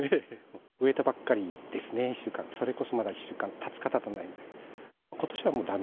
植えたばっかりですね、１週間、それこそまだ１週間たつかたたないか。